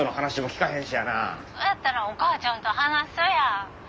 そやったらお母ちゃんと話そや。